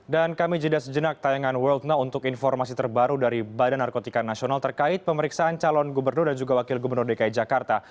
dan kami jadi sejenak tayangan world now untuk informasi terbaru dari badan narkotika nasional terkait pemeriksaan calon gubernur dan juga wakil gubernur dki jakarta